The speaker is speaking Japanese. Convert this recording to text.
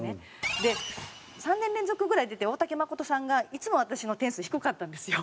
で３年連続ぐらい出て大竹まことさんがいつも私の点数低かったんですよ。